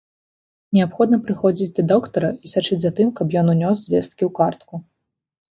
Неабходна прыходзіць да доктара і сачыць за тым, каб ён унёс звесткі ў картку.